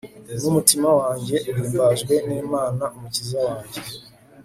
n'umutima wanjye uhimbajwe n'imana umukiza wanjye